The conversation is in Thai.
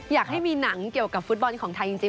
อยากให้มีหนังเกี่ยวกับฟุตบอลของไทยจริง